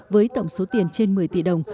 với tổng số tiền trên một mươi tỷ đồng